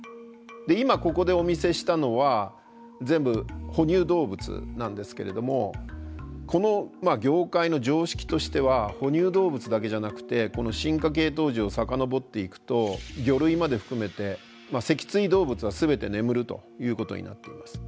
今ここでお見せしたのは全部哺乳動物なんですけれどもこの業界の常識としては哺乳動物だけじゃなくてこの進化系統樹を遡っていくと魚類まで含めて脊椎動物は全て眠るということになっています。